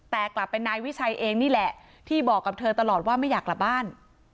แต่กลับเป็นนายวิชัยเองนี่แหละที่บอกกับเธอตลอดว่าไม่อยากกลับบ้าน